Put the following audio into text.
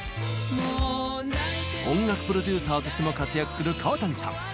音楽プロデューサーとしても活躍する川谷さん。